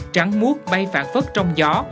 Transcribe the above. trắng muốt bay phản phất trong gió